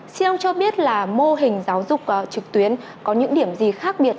xin ông cho biết là mô hình giáo dục trực tuyến có những điểm gì khác biệt